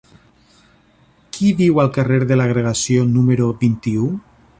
Qui viu al carrer de l'Agregació número vint-i-u?